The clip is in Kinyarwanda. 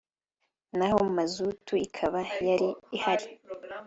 naho mazutu ikaba yari ihari